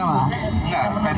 ada kamera pak